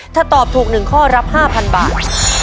ถ้าตอบถูก๑ข้อรับ๕๐๐บาท